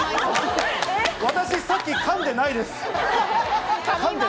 私、さっきかんでないです。